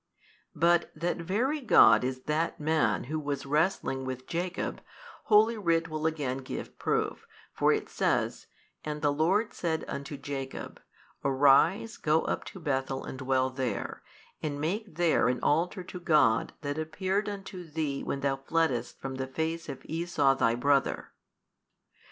But that Very God is that Man Who was wrestling with Jacob, holy Writ will again give proof, for it says, And the Lord said unto Jacob, Arise, go up to Bethel and dwell there, and make there an Altar to God that appeared unto thee when thou fleddest from the face of Esau thy brother.